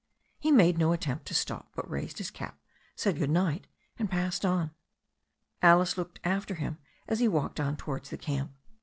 ' He made no attempt to stop, but raised his cap, said good night, and passed on. Alice looked after him as he walked on towards the camp.